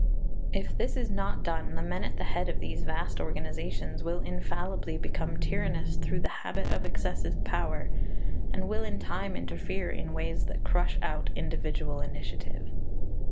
If this is not done, the men at the head of these vast organizations will infallibly become tyrannous through the habit of excessive power, and will in time interfere in ways that crush out individual initiative.